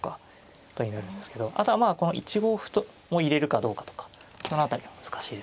ことになるんですけどあとはまあこの１五歩とも入れるかどうかとかその辺りも難しいですね。